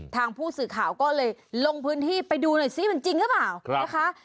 ทางผู้สื่อข่าวก็เลยลงพื้นที่ไปดูหน่อยซิมันจริงหรือเปล่านะคะ